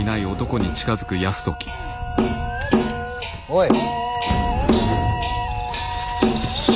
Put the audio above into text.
おい。